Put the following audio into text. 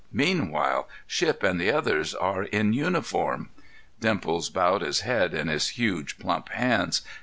Meanwhile, Shipp and the others are in uniform." Dimples bowed his head in his huge, plump hands.